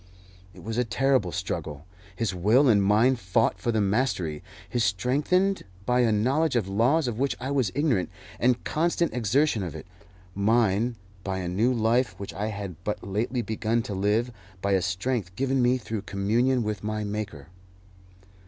It was a terrible struggle. His will and mine fought for the mastery his strengthened by a knowledge of laws of which I was ignorant, and constant exertion of it; mine, by a new life which I had but lately begun to live, by a strength given me through communion with my Maker.